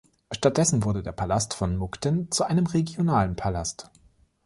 Stattdessen wurde der Palast von Mukden zu einem regionalen Palast.